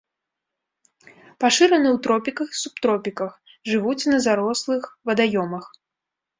Пашыраны ў тропіках і субтропіках, жывуць на зарослых вадаёмах.